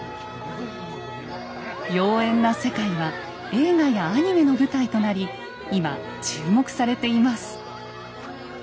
妖艶な世界は映画やアニメの舞台となり今注目されています。